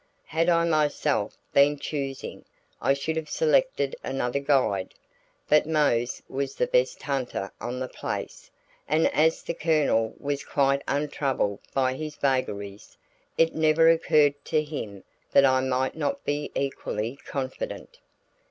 Had I myself been choosing, I should have selected another guide. But Mose was the best hunter on the place, and as the Colonel was quite untroubled by his vagaries, it never occurred to him that I might not be equally confident.